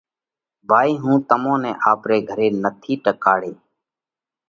ڀائِي هُون تمون نئہ آپري گھري نٿي ٽڪاڙي